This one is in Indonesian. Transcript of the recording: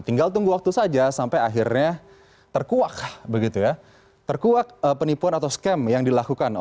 tinggal tunggu waktu saja sampai akhirnya terkuak begitu ya terkuak penipuan atau scam yang dilakukan